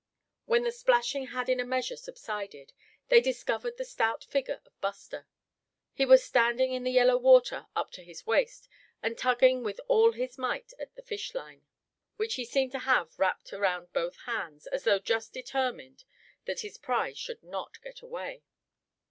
When the splashing had in a measure subsided, they discovered the stout figure of Buster. He was standing in the yellow water up to his waist and tugging with all his might at the fish line, which he seemed to have wrapped around both hands, as though just determined that his prize should not get away.